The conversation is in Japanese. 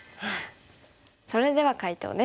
それでは解答です。